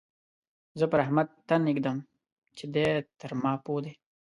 زه پر احمد تن اېږدم چې دی تر ما پوه دی.